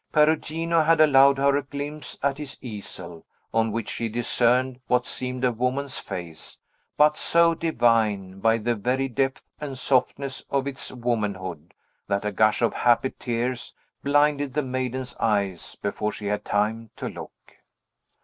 Perugino had allowed her a glimpse at his easel, on which she discerned what seemed a woman's face, but so divine, by the very depth and softness of its womanhood, that a gush of happy tears blinded the maiden's eyes before she had time to look.